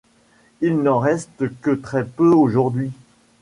Il n'en reste que très peu aujourd'hui.